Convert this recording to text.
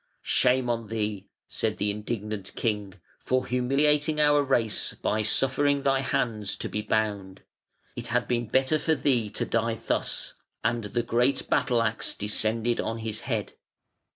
"Shame on thee", said the indignant king, "for humiliating our race by suffering thy hands to be bound. It had been better for thee to die thus", and the great battle axe descended on his head.